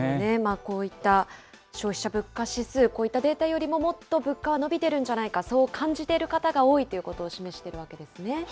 こういった消費者物価指数、こういったデータよりももっと物価は伸びてるんじゃないか、そう感じている方が多いということを示しているわけですね。